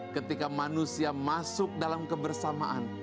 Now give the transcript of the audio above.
ketika manusia masuk dalam kebersamaan